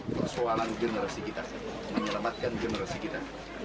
persoalan generasi kita menyelamatkan generasi kita